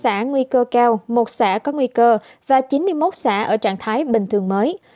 xã nguy cơ cao một xã có nguy cơ và chín mươi một xã ở trạng thái bình thường mới